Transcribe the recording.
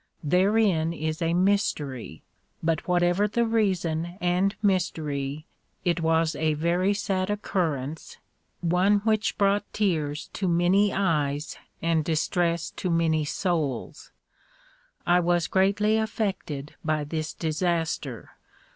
Therein is a mystery ; but whatever the reason and mystery it was a very sad occurrence, one which brought tears to many eyes and distress to many souls. I was greatly af fected by this disaster.